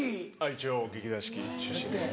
一応劇団四季出身です。